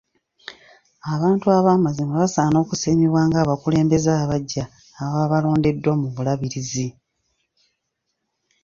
Abantu abamazima basaana okusiimibwa ng'abakulembeze abaggya ababa balondeddwa mu bulabirizi.